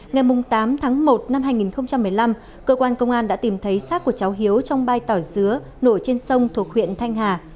ngày tám tháng một năm hai nghìn một mươi năm cơ quan công an đã tìm thấy sát của cháu hiếu trong bao tỏi dứa nổi trên sông thuộc huyện thanh hà